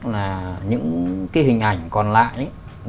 là những cái hình ảnh còn lại